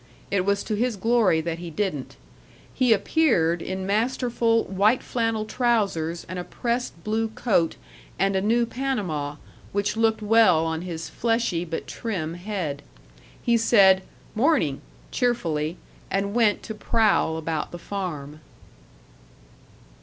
It was to his glory that he didn't. He appeared in masterful white flannel trousers and a pressed blue coat and a new Panama, which looked well on his fleshy but trim head. He said, "Mornin'," cheerfully, and went to prowl about the farm.